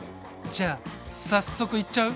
じゃ早速いっちゃう？